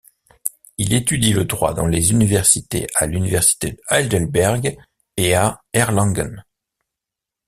Il étudie le droit dans les Universités à l'Université de Heidelberg et à Erlangen.